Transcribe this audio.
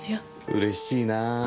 うれしいなぁ。